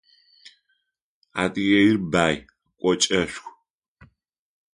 Адыгеир бай, кӏочӏэшху.